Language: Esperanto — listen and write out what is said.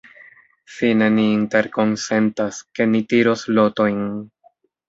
Fine ni interkonsentas, ke ni tiros lotojn.